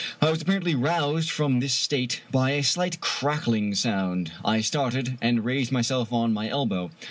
I was apparently roused from this state by a slight crackling sound. I started, and raised myself on my elbow.